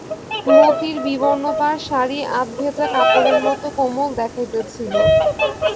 মতির বিবর্ণপাড় শাড়ি আধভেজা কাপড়ের মতো কোমল দেখাইতেছিল।